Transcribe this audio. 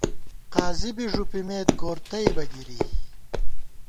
قاضی بی ݫُوپِمېت ، گوَر تئیبہ گِری